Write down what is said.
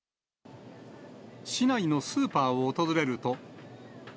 市内のスーパーを訪れると。